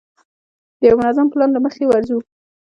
د یوه منظم پلان له مخې ورځو.